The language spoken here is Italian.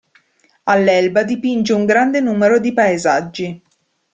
All’Elba dipinge un grande numero di paesaggi.